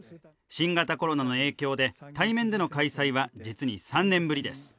新型コロナの影響で対面での開催は実に３年ぶりです。